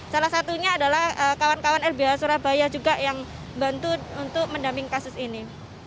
salah satunya adalah kawan kawan lbh surabaya juga yang bantu untuk mendamping kasus ini